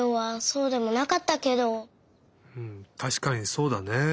うんたしかにそうだね。